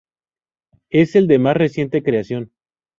Es el de más reciente creación.